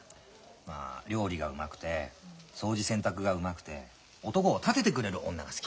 まあ料理がうまくて掃除洗濯がうまくて男を立ててくれる女が好き。